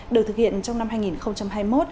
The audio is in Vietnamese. được thực hiện trong năm hai nghìn hai mươi một